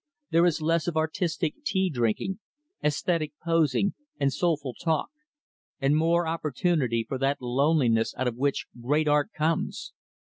There is less of artistic tea drinking, esthetic posing, and soulful talk; and more opportunity for that loneliness out of which great art comes.